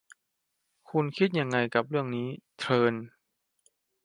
คุณคิดยังไงกับเรื่องนี้ เทิร์น